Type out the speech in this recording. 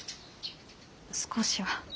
少しは。